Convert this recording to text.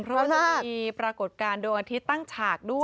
เพราะว่าจะมีปรากฏการณ์ดวงอาทิตย์ตั้งฉากด้วย